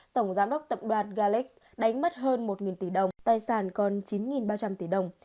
tổng giám đốc tập đoàn galex đánh mất hơn một tỷ đồng tài sản còn chín ba trăm linh tỷ đồng